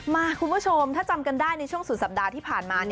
คุณผู้ชมถ้าจำกันได้ในช่วงสุดสัปดาห์ที่ผ่านมา